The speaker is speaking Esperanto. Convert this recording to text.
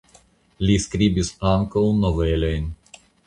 Li skribis ankaŭ novelojn.